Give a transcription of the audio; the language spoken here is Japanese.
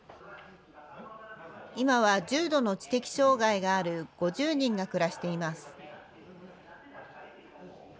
今は重度の知的障害がある５０人が暮らしています。